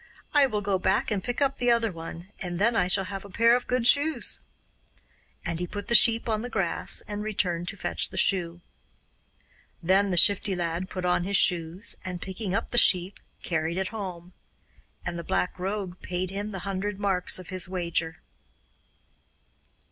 'I will go back and pick up the other one, and then I shall have a pair of good shoes,' and he put the sheep on the grass and returned to fetch the shoe. Then the Shifty Lad put on his shoes, and, picking up the sheep, carried it home. And the Black Rogue paid him the hundred marks of his wager.